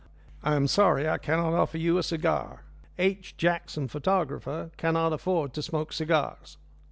I am sorry I cannot offer you a cigar. 'H. Jackson, photographer,' cannot afford to smoke cigars."